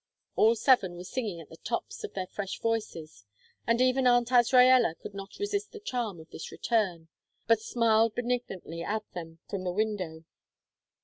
All seven were singing at the tops of their fresh voices, and even Aunt Azraella could not resist the charm of this return, but smiled benignantly at them from the window.